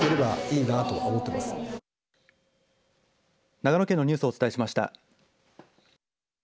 長野県のニュースをお伝えしました。